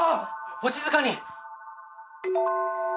お静かに！